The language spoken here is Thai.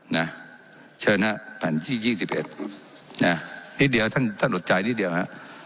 นะเชิญฮะแผ่นที่ยี่สิบเอ็ดนะนิดเดียวท่านท่านอดใจนิดเดียวฮะ